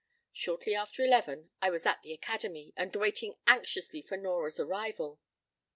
Shortly after eleven I was at the Academy, and waiting anxiously for Nora's arrival.